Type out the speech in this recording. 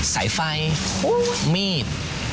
สายไฟมีด